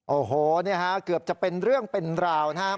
โอ้โหเนี่ยฮะเกือบจะเป็นเรื่องเป็นราวนะครับ